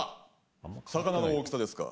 魚の大きさですか。